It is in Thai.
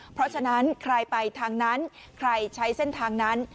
เพราะฉะนั้นใครไปทางนั้นใครใช้เส้นทางนั้น